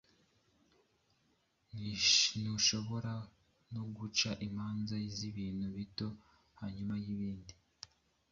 ntimushobora no guca imanza z’ibintu bito hanyuma y’ibindi?